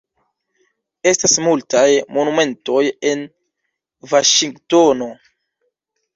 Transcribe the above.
Estas multaj monumentoj en Vaŝingtono.